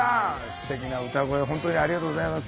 すてきな歌声を本当にありがとうございます。